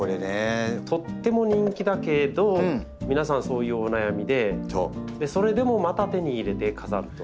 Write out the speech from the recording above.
とっても人気だけれど皆さんそういうお悩みでそれでもまた手に入れて飾ると。